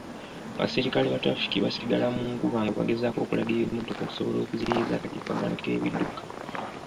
Abaserikale ba tulafiki basigala mu nkuba nga bagezaako okulagirira emmotoka okusobola okuziiyiza akalipagano k'ebidduka.